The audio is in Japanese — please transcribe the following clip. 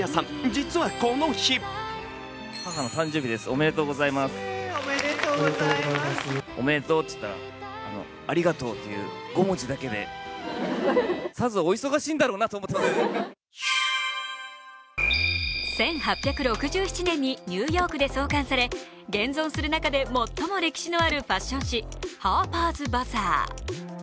実はこの日１８６７年にニューヨークで創刊され現存する中で最も歴史のあるファッション誌「Ｈａｒｐｅｒ’ｓＢＡＺＡＡＲ」。